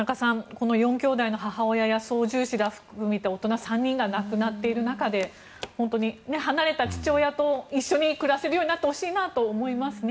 この４きょうだいの母親や操縦士ら含めた大人３人が亡くなっている中で本当に離れた父親と一緒に暮らせるようになってほしいなと思いますね。